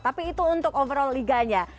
tapi itu untuk overall liganya